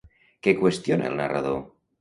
Què qüestiona el narrador?